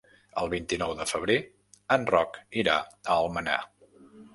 El vint-i-nou de febrer en Roc irà a Almenar.